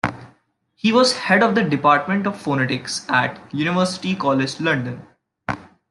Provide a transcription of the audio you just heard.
He was head of the Department of Phonetics at University College, London.